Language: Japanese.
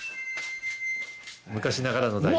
昔ながらの台所。